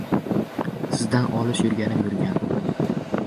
Sizdan olis yurganim-yurgan